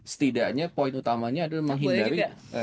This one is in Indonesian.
setidaknya poin utamanya adalah menghindari